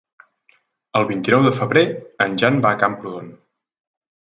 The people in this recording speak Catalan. El vint-i-nou de febrer en Jan va a Camprodon.